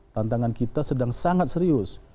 tantangan kita sedang sangat serius